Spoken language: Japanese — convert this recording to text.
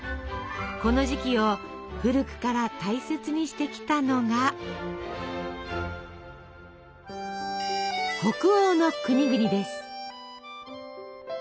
この時期を古くから大切にしてきたのが北欧の国々です。